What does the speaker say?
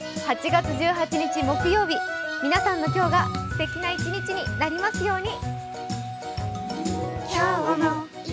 ８月１８日木曜日、皆さんの今日がすてきな一日になりますように。